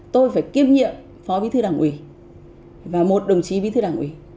tôi phải kiêm nhiệm phó ví thư đảng ủy và một đồng chí ví thư đảng ủy